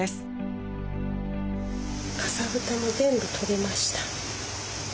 かさぶたも全部取れました。